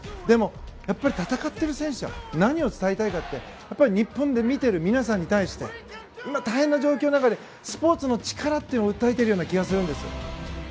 でも、戦っている選手は何を伝えたいかって日本で見ている皆さんに対して今、大変な状況の中でスポーツの力を訴えている気がするんです。